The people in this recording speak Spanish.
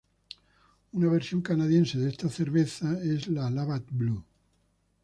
Una versión canadiense de estas cervezas es la Labatt Blue.